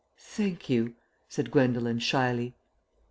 "Thank you," said Gwendolen shyly.